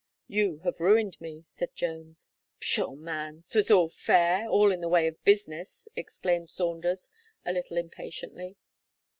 "You have ruined me," said Jones. "Pshaw, man, 'twas all fair, all in the way of business," exclaimed Saunders a little impatiently.